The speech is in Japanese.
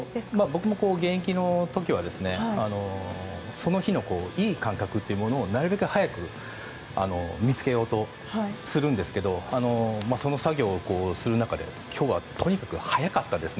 僕も現役の時はその日のいい感覚というものをなるべく早く見つけようとするんですがその作業をする中で今日は、とにかく早かったです。